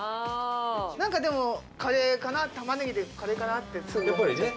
なんかでもカレーかな玉ねぎでカレーかなってつい思っちゃった